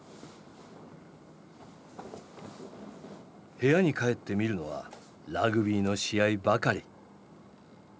部屋に帰って見るのはラグビーの試合ばかり。